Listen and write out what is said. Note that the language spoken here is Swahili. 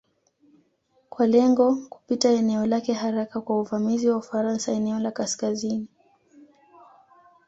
Kwa lengo kupita eneo lake haraka kwa uvamizi wa Ufaransa eneo la Kaskazini